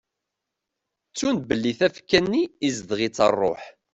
Ttun belli tafekka-nni izdeɣ-itt rruḥ.